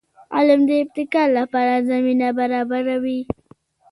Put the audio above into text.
علم د ابتکار لپاره زمینه برابروي.